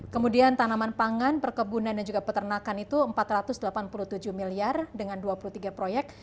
kemudian tanaman pangan perkebunan dan juga peternakan itu empat ratus delapan puluh tujuh miliar dengan dua puluh tiga proyek